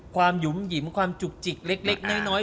หยุ่มหยิมความจุกจิกเล็กน้อย